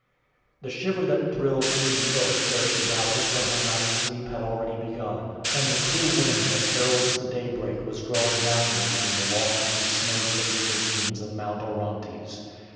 The shiver that thrills through the earth ere she rouses from her night sleep had already begun, and the cool wind that heralds the daybreak was drawing downward from the lofty snow traced ravines of Mount Orontes.